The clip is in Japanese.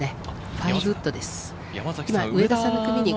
５ウッドです。